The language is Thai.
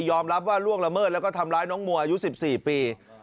อมรับว่าล่วงละเมิดแล้วก็ทำร้ายน้องมัวอายุ๑๔ปี